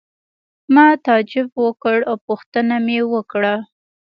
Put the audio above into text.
ما تعجب وکړ او پوښتنه مې وکړه.